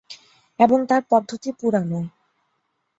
এবং তার পদ্ধতি পুরানো।